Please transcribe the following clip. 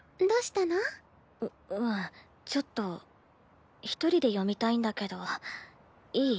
ちょっと一人で読みたいんだけどいい？